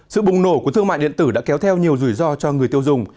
sự bùng nổ của thương mại điện tử đã kéo theo nhiều rủi ro cho người tiêu dùng